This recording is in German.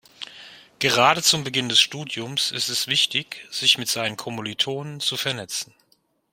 Gerade zu Beginn des Studiums ist es wichtig, sich mit seinen Kommilitonen zu vernetzen.